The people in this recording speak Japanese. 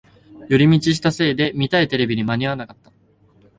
寄り道したせいで見たいテレビに間に合わなかった